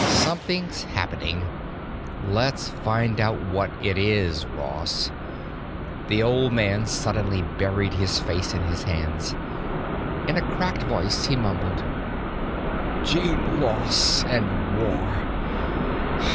Something's happening. Let's find out what it is, Ross." The old man suddenly buried his face in his hands. In a cracked voice he mumbled, "Gene loss and war.